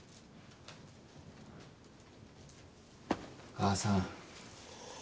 母さん。